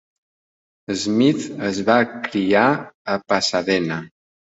Smith es va criar a Pasadena.